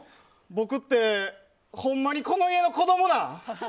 僕ってほんまにこの家の子供なん？